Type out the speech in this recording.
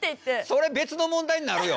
それ別の問題になるよ。